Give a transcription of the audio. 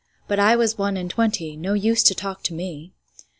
'But I was one and twenty, No use to talk to me.